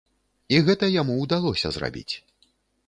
І гэта яму ўдалося зрабіць.